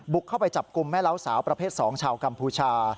เข้าไปจับกลุ่มแม่เล้าสาวประเภท๒ชาวกัมพูชา